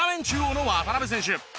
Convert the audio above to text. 中央の渡邊選手。